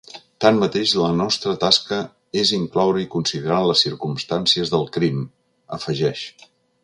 Tanmateix, la nostra tasca és incloure i considerar les circumstàncies del crim, afegeix.